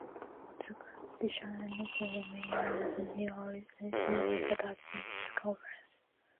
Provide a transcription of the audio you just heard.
The constitution and programme of the new organisation was adopted in this conference.